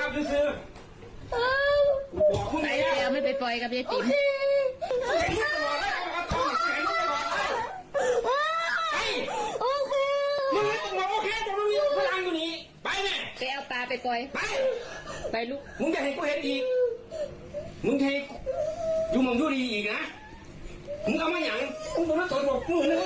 คุณผู้ชมครับพ่อแท้นะครับและอย่างที่ผมเรียกเกินก่อนจะเข้าคลิปนะครับว่า